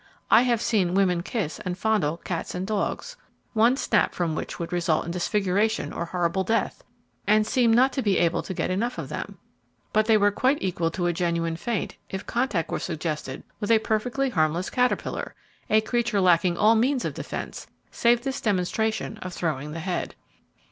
I have seen women kiss and fondle cats and dogs, one snap from which would result in disfiguration or horrible death, and seem not to be able to get enough of them. But they were quite equal to a genuine faint if contact were suggested with a perfectly harmless caterpillar, a creature lacking all means of defence, save this demonstration of throwing the head.